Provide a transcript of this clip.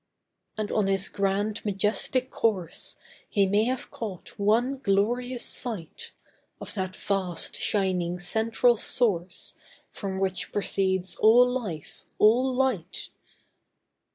And on his grand majestic course He may have caught one glorious sight Of that vast shining central Source From which proceeds all Life, all Light.